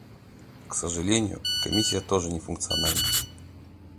К сожалению, Комиссия тоже не функциональна.